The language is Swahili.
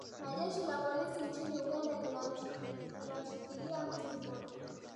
na jeshi la polisi nchini uganda linamshikilia mtu mmoja